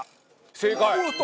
正解！